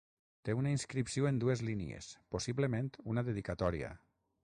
Té una inscripció en dues línies, possiblement una dedicatòria.